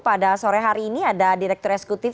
pada sore hari ini ada direktur eksekutif